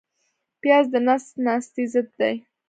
پیاز د نس ناستي ضد دی